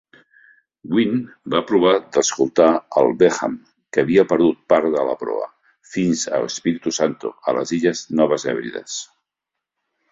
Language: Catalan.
"Gwin" va provar d'escortar el "Benham", que havia perdut part de la proa, fins a Espiritu Santo, a les illes Noves Hèbrides.